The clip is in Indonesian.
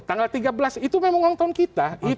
tanggal tiga belas itu memang ulang tahun kita